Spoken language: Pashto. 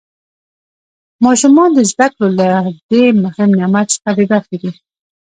ماشومان د زده کړو له دې مهم نعمت څخه بې برخې دي.